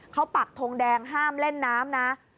เขาปักทงแดงห้ามเล่นน้ำนะ